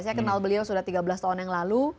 saya kenal beliau sudah tiga belas tahun yang lalu